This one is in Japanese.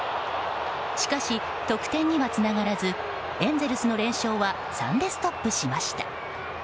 しかし、得点にはつながらずエンゼルスの連勝は３でストップしました。